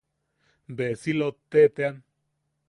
Be si lotte tean.